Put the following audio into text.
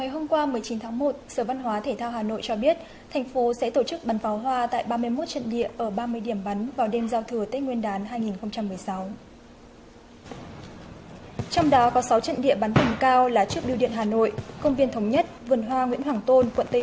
hãy đăng ký kênh để ủng hộ kênh của chúng mình nhé